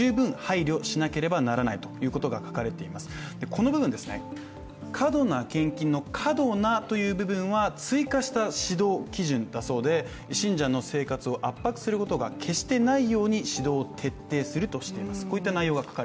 この部分、過度な献金の「過度な」という部分は追加した指導基準だそうで信者の生活を圧迫することが決してないように指導徹底するとしています。